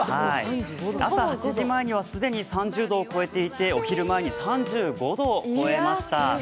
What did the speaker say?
朝８時前には既に３０度を超えていてお昼前に３５度を超えました。